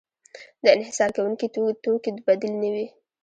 د انحصار کوونکي د توکې بدیل نه وي.